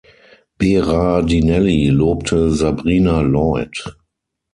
Berardinelli lobte Sabrina Lloyd.